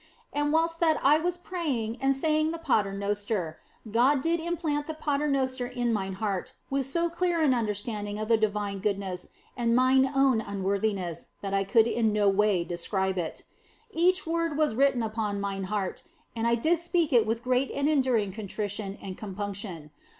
And whilst that I was praying and saying the Paternoster, God did implant that Paternoster in mine heart with so clear an understanding of the Divine goodness and mine own unworthiness that I could in no way describe it. Each word was written upon mine heart and I did speak it with great and enduring contrition and compunction.